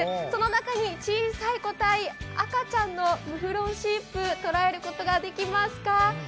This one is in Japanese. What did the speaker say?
その中に小さい個体赤ちゃんのムフロンシープ捉えることができますか？